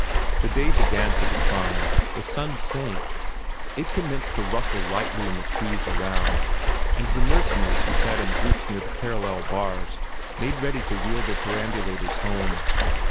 The day began to decline, the sun sank, it commenced to rustle lightly in the trees around, and the nursemaids who sat in groups near the parallel bars made ready to wheel their perambulators home.